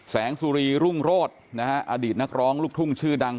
สุรีรุ่งโรธนะฮะอดีตนักร้องลูกทุ่งชื่อดัง